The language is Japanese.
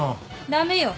駄目よ。